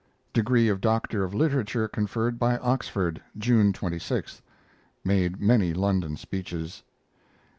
Degree of Doctor of Literature conferred by Oxford, June 26. Made many London speeches.